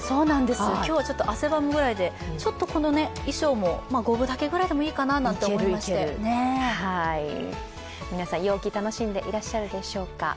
今日、ちょっと汗ばむぐらいでちょっとこの衣装も五分丈ぐらいでいいかなと皆さん陽気、楽しんでいらっしゃるでしょうか。